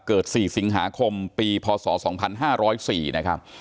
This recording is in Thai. ๔สิงหาคมปีพศ๒๕๐๔นะครับ